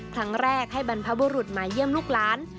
ครั้งแรกให้บรรพบุรุษมาเยี่ยมลูกหลาน